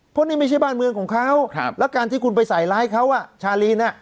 เพราะนี่ไม่ใช่บ้านเมืองของเขาแล้วการที่คุณไปใส่ร้ายเขาอ่ะชาลีน